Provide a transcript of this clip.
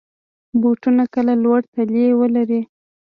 بوټونه کله لوړ تلي ولري.